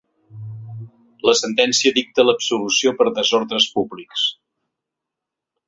La sentència dicta l’absolució per desordres públics.